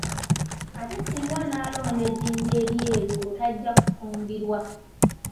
Ate singa anaalonda ejjinja eryeru olwo tajja kunfumbirwa.